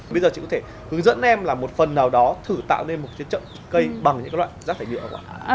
bây giờ chị có thể hướng dẫn em là một phần nào đó thử tạo nên một cái trậu cây bằng những loại rác thải lựa không ạ